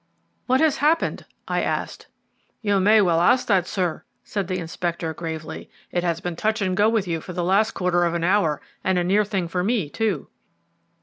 "What has happened?" I asked. "You may well ask that, sir," said the Inspector gravely. "It has been touch and go with you for the last quarter of an hour; and a near thing for me too."